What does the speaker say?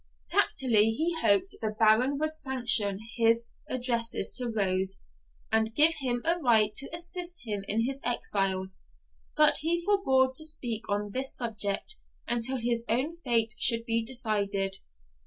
Tacitly he hoped the Baron would sanction his addresses to Rose, and give him a right to assist him in his exile; but he forbore to speak on this subject until his own fate should be decided.